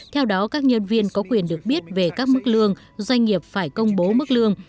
theo đó các nhân viên có quyền được biết về các mức lương doanh nghiệp phải công bố mức lương